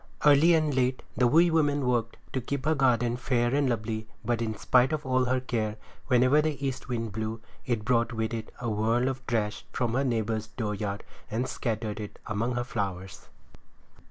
Early and late the wee woman worked to keep her garden fair and lovely but in spite of all her care whenever the east wind blew it brought with it a whirl of trash from her neighbor's dooryard, and scattered it among her flowers.